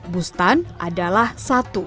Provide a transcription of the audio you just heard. bustan adalah satu